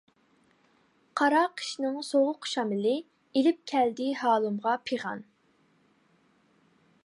قارا قىشنىڭ سوغۇق شامىلى، ئېلىپ كەلدى ھالىمغا پىغان.